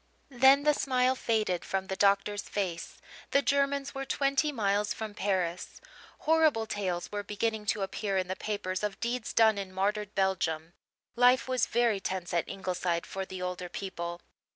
Then the smile faded from the doctor's face; the Germans were twenty miles from Paris. Horrible tales were beginning to appear in the papers of deeds done in martyred Belgium. Life was very tense at Ingleside for the older people.